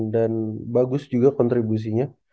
dan bagus juga kontribusinya